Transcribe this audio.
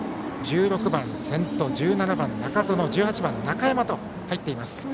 １６番、専徒１７番、中園１８番、中山と入っています。